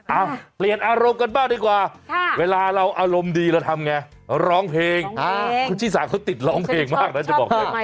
เอาเปลี่ยนอารมณ์กันบ้างดีกว่าเวลาเราอารมณ์ดีเราทำไงร้องเพลงคุณชิสาเขาติดร้องเพลงมากนะจะบอกเลย